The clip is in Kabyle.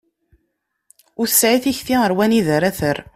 Ur tesɛi tikti ɣer wanida ara terr.